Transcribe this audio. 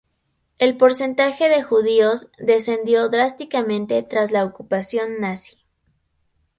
El porcentaje de judíos descendió drásticamente tras la ocupación nazi.